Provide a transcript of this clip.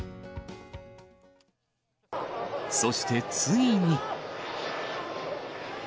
そしてついに。